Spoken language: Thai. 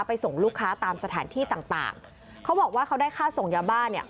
ส่งลูกค้าตามสถานที่ต่างต่างเขาบอกว่าเขาได้ค่าส่งยาบ้าเนี่ย